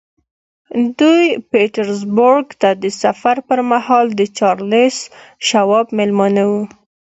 دوی پیټرزبورګ ته د سفر پر مهال د چارلیس شواب مېلمانه وو